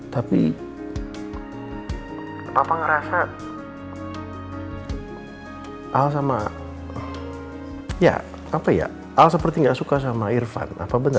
tapi papa ngerasa al sama ya apa ya al seperti nggak suka sama irfan apa benar